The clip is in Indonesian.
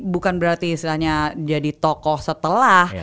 bukan berarti istilahnya jadi tokoh setelah